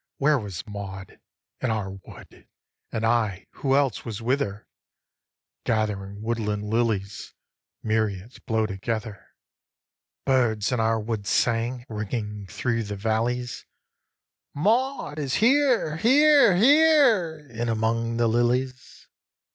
2. Where was Maud? in our wood; And I, who else, was with her, Gathering woodland lilies, Myriads blow together. 3. Birds in our wood sang Ringing thro' the vallies, Maud is here, here, here In among the lilies.